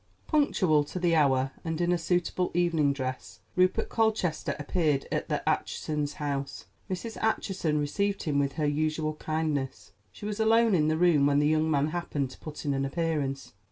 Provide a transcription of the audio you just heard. Punctual to the hour, and in a suitable evening dress, Rupert Colchester appeared at the Achesons' house. Mrs. Acheson received him with her usual kindness. She was alone in the room when the young man happened to put in an appearance.